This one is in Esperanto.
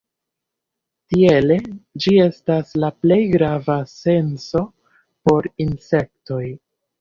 Tiele, ĝi estas la plej grava senso por insektoj.